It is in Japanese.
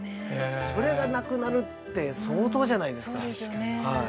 それが無くなるって相当じゃないですか。